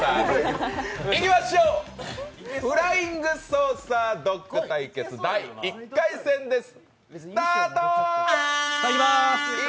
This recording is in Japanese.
フライングソーサードッグ対決第１回戦です。